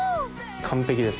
完璧です。